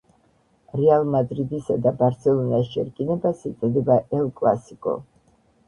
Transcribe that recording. რეალ მადრიდისა და ბარსელონას შერკინებას ეწოდება ელ კლასიკო